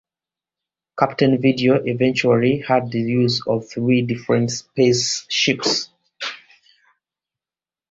Captain Video eventually had the use of three different spaceships.